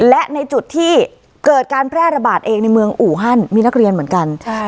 และในจุดที่เกิดการแพร่ระบาดเองในเมืองอูฮันมีนักเรียนเหมือนกัน